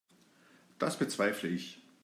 Das bezweifle ich.